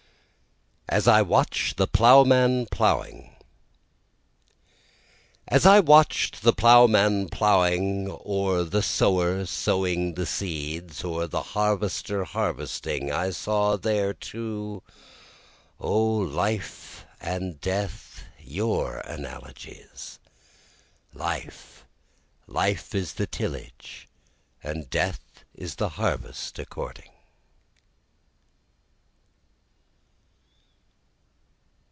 As I Watch the Ploughman Ploughing As I watch'd the ploughman ploughing, Or the sower sowing in the fields, or the harvester harvesting, I saw there too, O life and death, your analogies; (Life, life is the tillage, and Death is the harvest according.)